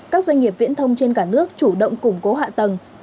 các doanh nghiệp viễn thông trên cả nước chủ động củng cố hạ tầng